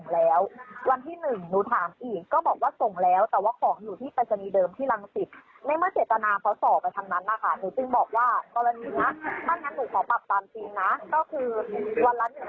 แล้วเขาก็บอกว่าเขาไม่จ่ายส่วนชุดก็ไม่ส่งคืน